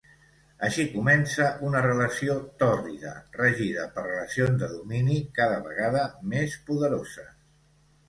Així comença una relació tòrrida, regida per relacions de domini cada vegada més poderoses.